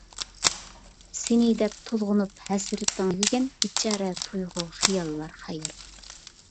سېنى دەپ تولغىنىپ ھەسرىتىڭ يېگەن، بىچارە تۇيغۇ خىياللار خەير.